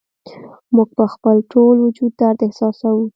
موږ په خپل ټول وجود درد احساسوو